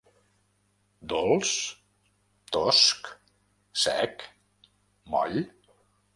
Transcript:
Dolç? tosc? sec? moll?